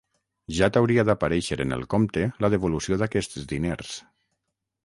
Ja t'hauria d'aparèixer en el compte la devolució d'aquests diners.